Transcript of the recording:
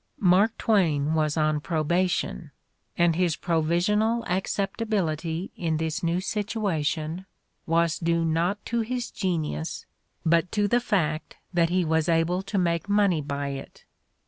Mark Twain was on probation, and his provisional acceptability in this new situation was due not to his genius but to the fact that he was able to make money by it.